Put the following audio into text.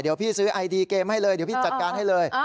เดี๋ยวพี่ซื้อไอดีเกมให้เลยเดี๋ยวพี่จัดการให้เลย